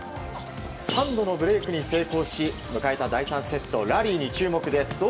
３度のブレークに成功し迎えた第３セットラリーに注目です。